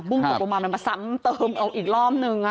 บุ้งตกลงมามาซ้ำเติมเอาอีกรอบหนึ่ง